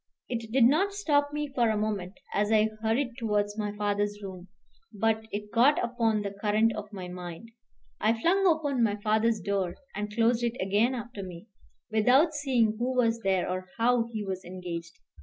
It did not stop me for a moment, as I hurried towards my father's room, but it got upon the current of my mind. I flung open my father's door, and closed it again after me, without seeing who was there or how he was engaged.